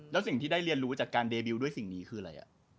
แล้วสิ่งที่ได้เรียนรู้จากการเดบิลด้วยสิ่งนี้คืออะไร